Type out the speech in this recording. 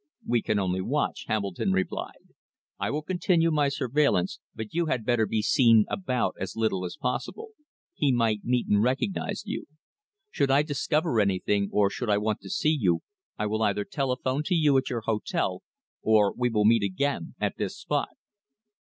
"We can only watch," Hambledon replied. "I will continue my surveillance, but you had better be seen about as little as possible. He might meet and recognize you. Should I discover anything, or should I want to see you, I will either telephone to you at your hotel, or we will meet again at this spot."